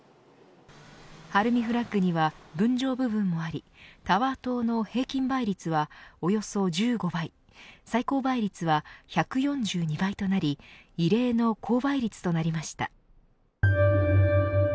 晴海フラッグには分譲部分もありタワー棟の平均倍率はおよそ１５倍最高倍率は１４２倍となり異例の高倍率となりました。